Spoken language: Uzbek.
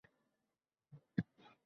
Puli boʻlgan, puli bor